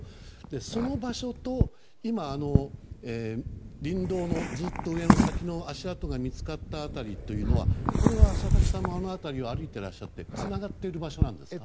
その場所と今、林道のずっと上の先で足跡が見つかった辺りというのは佐々木さんもあの辺りを歩いていらっしゃってつながっているんですか？